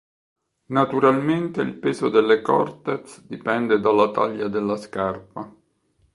Naturalmente il peso delle Cortez dipende dalla taglia della scarpa.